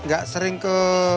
gak sering ke